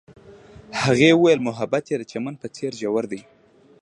هغې وویل محبت یې د چمن په څېر ژور دی.